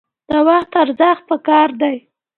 د وخت ارزښت پکار دی